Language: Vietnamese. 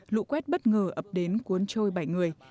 lũ quét bất ngờ ập đến cuốn trôi bảy người